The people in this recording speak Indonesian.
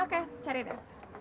oke cari dah